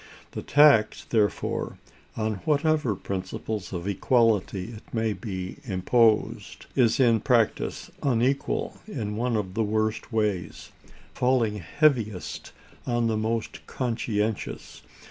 The tax, therefore, on whatever principles of equality it may be imposed, is in practice unequal in one of the worst ways, falling heaviest on the most conscientious.